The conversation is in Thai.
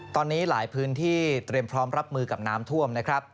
ตอนนี้หลายพื้นที่เตรียมพร้อมรับมือกับน้ำท่วมนะครับ